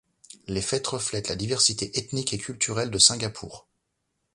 Les fêtes reflètent la diversité ethnique et culturelle de Singapour.